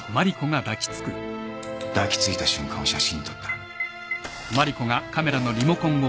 抱き付いた瞬間を写真に撮った。